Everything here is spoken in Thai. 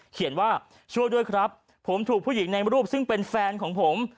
เขียนว่าช่วยด้วยครับผมถูกผู้หญิงในรูปซึ่งเป็นแฟนของผม